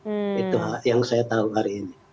itu yang saya tahu hari ini